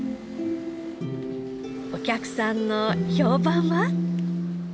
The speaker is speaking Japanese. お客さんの評判は？